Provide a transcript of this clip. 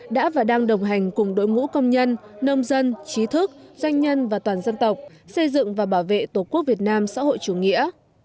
đã và đang đồng hành cùng đội ngũ công nhân nông dân trí thức doanh nhân và toàn dân tộc xây dựng và bảo vệ tổ quốc việt nam xã hội chủ nghĩa